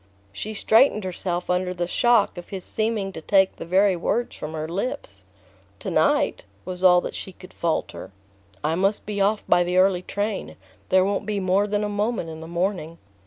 She straightened herself under the shock of his seeming to take the very words from her lips. "To night?" was all that she could falter. "I must be off by the early train. There won't be more than a moment in the morning."